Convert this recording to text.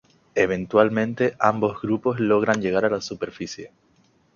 Eventualmente ambos grupos logran llegar a la superficie.